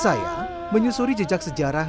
saya menyusuri jejak sejarah